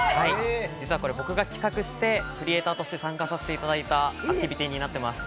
実は僕が企画して、クリエイターとして参加させていただいたアクティビティーになってます。